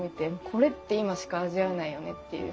これって今しか味わえないよねっていう。